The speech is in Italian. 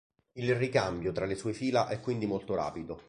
Il ricambio tra le sue fila è quindi molto rapido.